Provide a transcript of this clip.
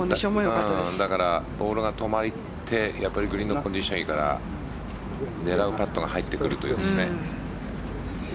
だからボールが止まってグリーンのポジションから狙うパットが入ってくるということですね。